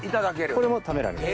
これも食べられます。